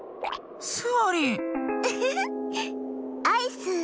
アイス。